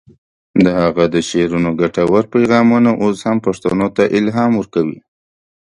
د هغه د شعرونو ګټور پیغامونه اوس هم پښتنو ته الهام ورکوي.